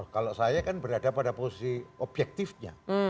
kalau saya kan berada pada posisi objektifnya